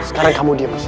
sekarang kamu diam di sini